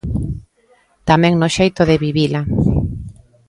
Tamén no xeito de vivila.